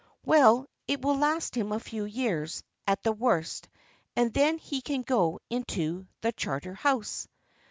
"Well, it will last him a few years, at the worst, and then he can go into the Charter house."